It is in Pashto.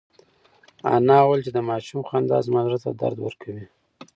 انا وویل چې د ماشوم خندا زما زړه ته درد ورکوي.